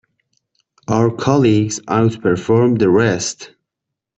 Our colleges outperformed the rest.